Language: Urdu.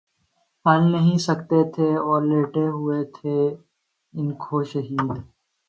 ہل نہیں سکتے تھے اور لیٹے ہوئے تھے انکو شہید